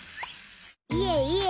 いえいえ。